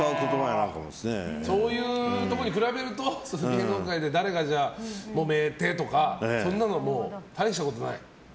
そういうところと比べると芸能界で誰がもめてとかそんなのは大したことない？